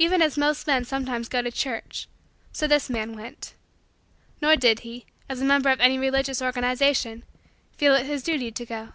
Even as most men sometimes go to church, so this man went. Nor did he, as a member of any religious organization, feel it his duty to go.